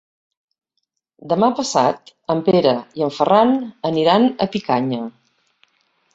Demà passat en Pere i en Ferran aniran a Picanya.